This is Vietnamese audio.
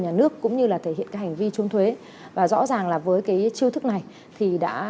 nhà nước cũng như là thể hiện cái hành vi trốn thuế và rõ ràng là với cái chiêu thức này thì đã